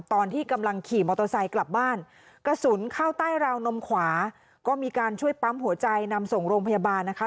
ตอนที่กำลังขี่มอเตอร์ไซค์กลับบ้านกระสุนเข้าใต้ราวนมขวาก็มีการช่วยปั๊มหัวใจนำส่งโรงพยาบาลนะคะ